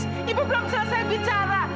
ibu belum selesai bicara